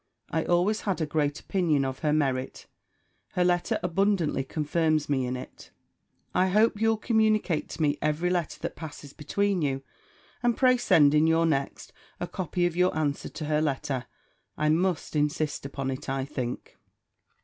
I always had a great opinion of her merit; her letter abundantly confirms me in it. I hope you'll communicate to me every letter that passes between you, and pray send in your next a copy of your answer to her letter: I must insist upon it, I think.